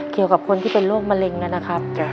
เกี่ยวกับคนที่เป็นโรคมะเร็งนะครับ